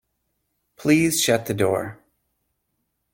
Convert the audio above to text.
Please shut the door.